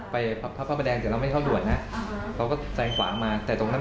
ไปพระพระแดงเดี๋ยวเราไม่เข้าด่วนนะเขาก็แทงขวางมา